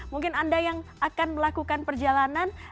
mungkin anda yang akan melakukan perjalanan